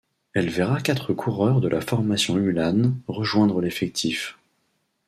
Elle verra quatre coureurs de la formation Ulan, rejoindre l'effectif.